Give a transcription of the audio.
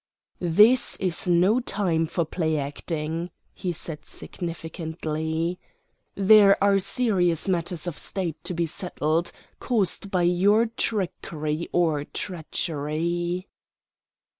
"This is no time for play acting," he said significantly. "There are serious matters of State to be settled, caused by your trickery or treachery."